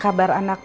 sampai jumpa lagi